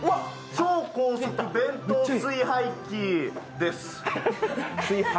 超高速弁当箱炊飯器です。